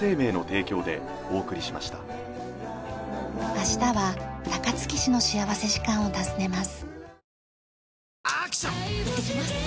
明日は高槻市の幸福時間を訪ねます。